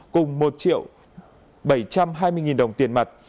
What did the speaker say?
cùng một triệu bảy trăm hai mươi nghìn đồng tiền mặt